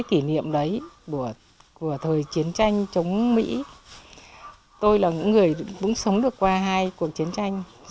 kỷ niệm đấy của thời chiến tranh chống mỹ tôi là những người cũng sống được qua hai cuộc chiến tranh